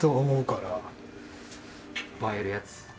映えるやつ。